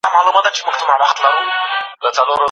موږ به نوی نسل څنګه په دې قانع کړو چې تعلیم دکامیابۍ لاره ده .